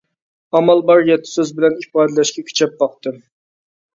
ئامال بار يەتتە سۆز بىلەن ئىپادىلەشكە كۈچەپ باقتىم.